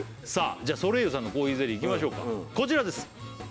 じゃあそれいゆさんのコーヒーゼリーいきましょうかこちらです！